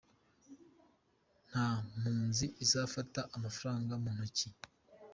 Nta mpunzi izafata amafaranga mu ntoki.